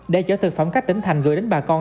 để chở thực phẩm các tỉnh thành gửi đến bà con